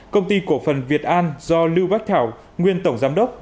công ty cổ phần việt an do lưu vác thảo nguyên tổng giám đốc